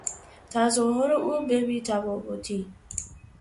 تظاهر او به بیتفاوتی